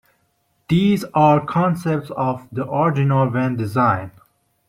These are concepts of the original van design.